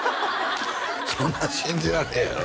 そんなん信じられへんやろ？